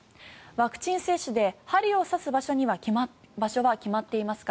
ワクチン接種で針を刺す場所は決まっていますか？